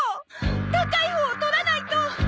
高いほうを取らないと！